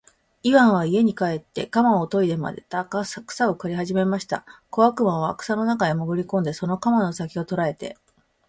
イワンは家へ帰って鎌をといでまた草を刈りはじめました。小悪魔は草の中へもぐり込んで、その鎌の先きを捉えて、